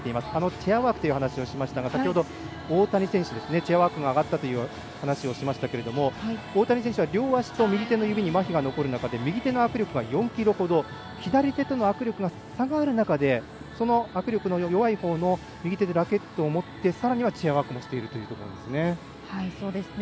チェアワークという話をしましたが、先ほど大谷選手チェアワークが上がったという話をしましたが大谷選手は両足と右手の指にまひが残る中で、右手の握力が４キロほど左手との握力が差がある中でその握力の弱いほう、右手でラケットを持って、さらにチェアワークしてるんですね。